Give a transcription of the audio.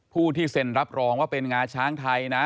ผู้ที่เซ็นรับรองว่าเป็นงาช้างไทยนะ